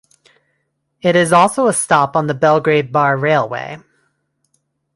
It is also a stop on the Belgrade - Bar railway.